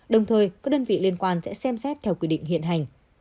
đồng thời các đơn vị liên quan sẽ xem xét theo quy định hiện hành